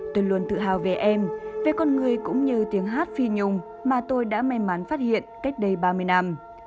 tôi luôn tự hào về em về con người cũng như tiếng hát phi nhung mà tôi đã may mắn phát hiện cách đây ba mươi năm